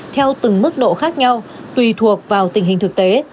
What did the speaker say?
theo từng mức độ khác nhau tùy thuộc vào tình hình thực tế